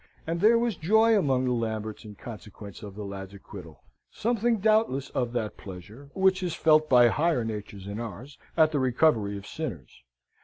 And there was joy among the Lamberts, in consequence of the lad's acquittal something, doubtless, of that pleasure, which is felt by higher natures than ours, at the recovery of sinners.